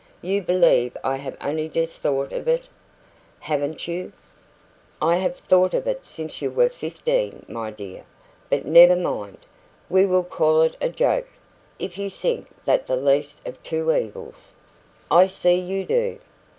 "You believe I have only just thought of it?" "Haven't you?" "I have thought of it since you were fifteen, my dear. But never mind. We will call it a joke, if you think that the least of two evils. I see you do.